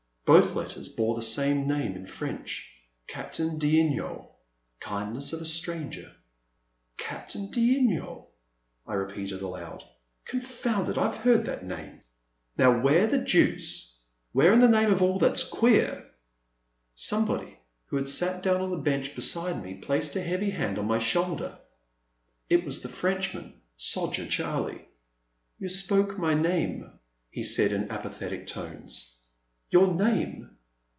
Both letters bore the same address, in French : "Captain d*Ynioi,. (Kindness of a Stranger.)" c< Captain d*Yniol, I repeated aloud — "con found it, I 've heard that name ! Now, where the deuce — ^where in the name of all that *s queer Somebody who had sat down on the bench beside me placed a heavy hand on my shoulder. It was the Frenchman, Soger Charlie." ''You spoke my name, he said in apathetic tones. "Your name